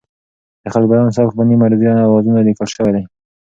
د خیرالبیان سبک په نیم عروضي اوزانو لیکل شوی دی.